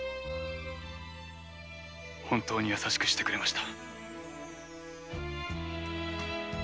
本当に優しくしてくれました。